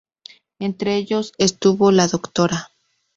Entre ellos estuvo la Dra.